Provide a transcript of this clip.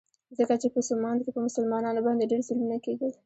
ځکه چې په سومنات کې په مسلمانانو باندې ډېر ظلمونه کېدل.